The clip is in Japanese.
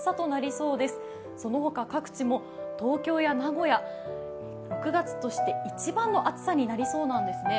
そのほか各地も東京や名古屋、６月として一番の暑さになりそうなんですね。